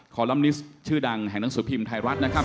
ลัมนิสชื่อดังแห่งหนังสือพิมพ์ไทยรัฐนะครับ